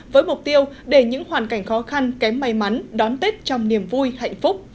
với mục tiêu để những hoàn cảnh khó khăn kém may mắn đón tết trong niềm vui hạnh phúc